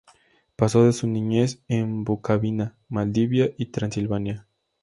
Pasó su niñez en Bukovina, Moldavia y Transilvania.